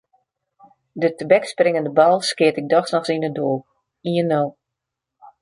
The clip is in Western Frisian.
De tebekspringende bal skeat ik dochs noch yn it doel: ien-nul.